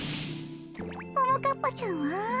ももかっぱちゃんは？